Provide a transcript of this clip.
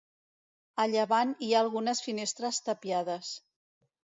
A llevant hi ha algunes finestres tapiades.